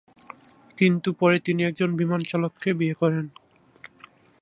কিন্তু পরে তিনি একজন বিমান চালককে বিয়ে করেন।